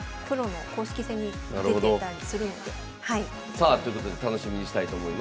さあということで楽しみにしたいと思います。